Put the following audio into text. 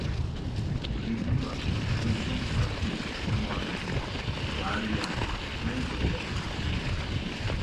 Mridula replaced Sonu Satheesh Kumar in "Bharya" playing the role of Rohini.